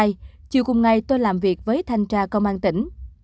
chị hát nói sáng mồng một mươi tháng hai chiều cùng ngày tôi làm việc với thanh tra công an tỉnh